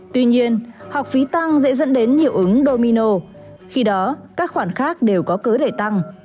tuy nhiên học phí tăng sẽ dẫn đến hiệu ứng domino khi đó các khoản khác đều có cớ để tăng